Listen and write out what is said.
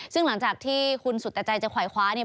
ซึ่งหลังจากที่คุณสุตใจจะขวายคว้าเนี่ย